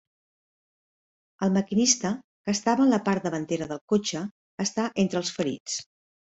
El maquinista, que estava en la part davantera del cotxe, està entre els ferits.